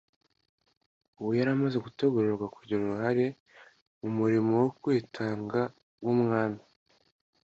Ubu yari amaze gutegurirwa kugira uruhare mu murimo wo kwitanga w'Umwami.